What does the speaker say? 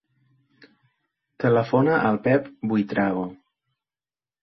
Telefona al Pep Buitrago.